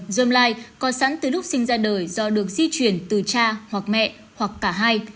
dơm lai có sẵn từ lúc sinh ra đời do được di chuyển từ cha hoặc mẹ hoặc cả hai